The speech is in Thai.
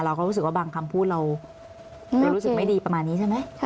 เราก็รู้สึกว่าบางคำพูดเรารู้สึกไม่ดีประมาณนี้ใช่ไหม